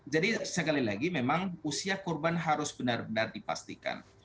jadi sekali lagi memang usia korban harus benar benar dipastikan